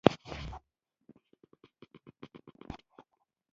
په ځینو سیمو کې اشراف تر یوې مودې پر خپل ځای پاتې شول